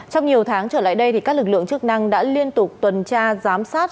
trong nhiều tháng trở lại đây các lực lượng chức năng đã liên tục tuần tra giám sát